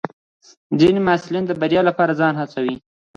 ځینې محصلین د بریا لپاره ځان هڅوي.